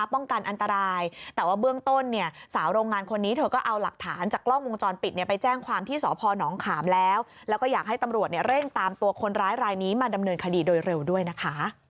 ป้องกันอันตรายแต่ว่าเบื้องต้นเนี่ยสาวโรงงานคนนี้เธอก็เอาหลักฐานจากกล้องวงจรปิดเนี่ยไปแจ้งความที่สพนขามแล้วแล้วก็อยากให้ตำรวจเนี่ยเร่งตามตัวคนร้ายรายนี้มาดำเนินคดีโดยเร็วด้วยนะคะ